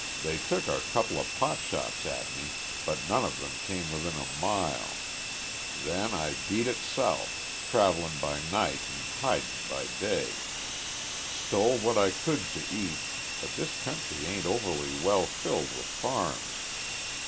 They took a coupla pot shots at me, but none of them came within a mile. Then I beat it south, travelin' by night an' hidin' by day. Stole what I could to eat, but this country ain't overly well filled with farms.